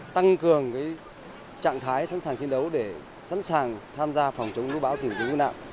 tăng cường trạng thái sẵn sàng chiến đấu để sẵn sàng tham gia phòng chống lũ bão tỉnh quân nạn